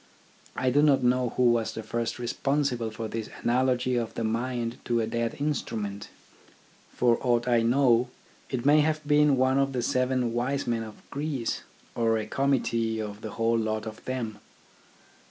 I do not know who was first responsible for this analogy of the mind to a dead instrument. For aught I know, it may have been one of the seven wise men of Greece, or a committee of the whole lot of them.